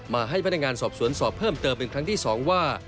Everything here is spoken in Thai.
มาให้พนักงานสอบสวนสอบเพิ่มเติมเป็นครั้งที่๒ว่า